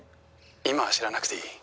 「今は知らなくていい」